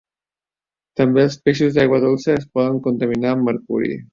També els peixos d'aigua dolça es poden contaminar amb mercuri.